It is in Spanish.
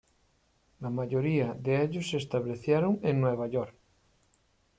La mayoría de ellos se establecieron en Nueva York.